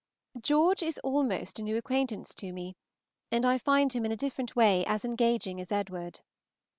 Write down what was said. George is almost a new acquaintance to me, and I find him in a different way as engaging as Edward.